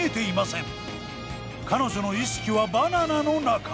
彼女の意識はバナナの中。